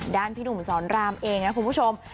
พี่หนุ่มสอนรามเองนะคุณผู้ชม